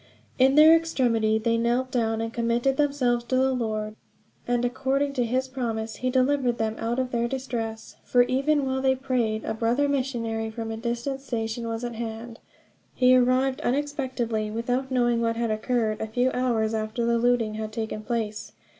In their extremity, they knelt down and committed themselves to the Lord. And according to his promise he delivered them out of their distresses; for even while they prayed a brother missionary from a distant station was at hand. He arrived unexpectedly, without knowing what had occurred, a few hours after the looting had taken place.